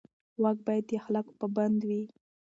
واک باید د اخلاقو پابند وي.